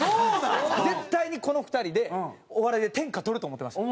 絶対にこの２人でお笑いで天下取ると思ってました。